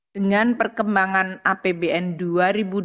dengan perkembangan utang tahun dua ribu dua puluh tiga